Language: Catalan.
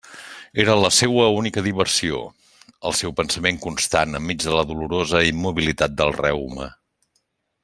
Era la seua única diversió, el seu pensament constant enmig de la dolorosa immobilitat del reuma.